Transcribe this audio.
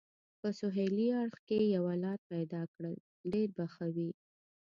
په سهېلي اړخ کې یوه لار پیدا کړل، ډېر به ښه وي.